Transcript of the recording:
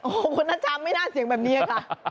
โอ้โหคนนั้นจำไม่น่าเสียงแบบนี้ค่ะ